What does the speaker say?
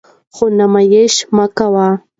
خو نمایش مه کوئ.